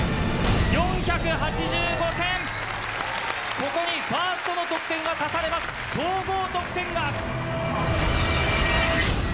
ここにファーストの得点が足されます総合得点が。